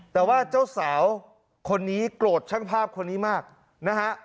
แต่ว่าเจ้าสาวคนนี้โกรธช่างภาพคนนี้มากนะฮะ